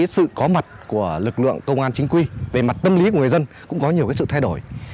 sự có mặt của lực lượng công an chính quy về mặt tâm lý của người dân cũng có nhiều sự thay đổi